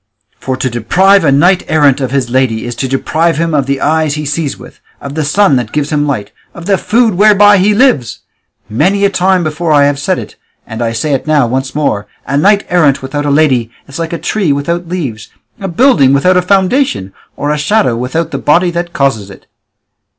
For to deprive a knight errant of his lady is to deprive him of the eyes he sees with, of the sun that gives him light, of the food whereby he lives. Many a time before have I said it, and I say it now once more, a knight errant without a lady is like a tree without leaves, a building without a foundation, or a shadow without the body that causes it."